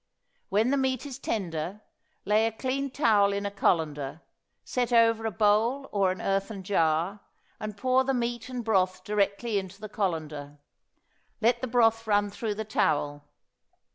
When the meat is tender lay a clean towel in a colander, set over a bowl or an earthen jar, and pour the meat and broth directly into the colander. Let the broth run through the towel.